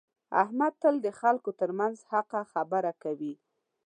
احمد تل د خلکو ترمنځ حقه خبره کوي.